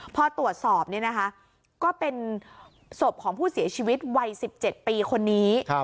พอตรวจสอบก็เป็นศพของผู้เสียชีวิตวัย๑๗ปีคนนี้